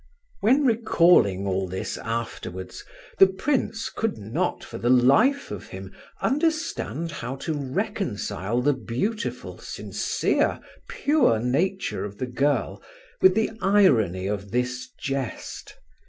When recalling all this afterwards the prince could not for the life of him understand how to reconcile the beautiful, sincere, pure nature of the girl with the irony of this jest.